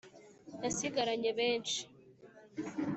yasigaranye benshi